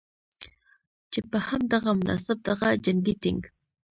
چې په هم دغه مناسبت دغه جنګي ټېنک